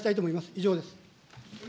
以上です。